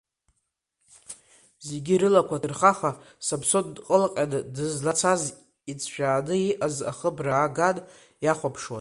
Зегьы рылақәа ҭырхаха, Самсон дкылҟьаны дызлацаз, иҵшәааны иҟаз ахыбра аган иахәаԥшуан.